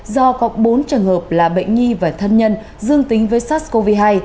do có bốn trường hợp là bệnh nhi và thân nhân dương tính với sars cov hai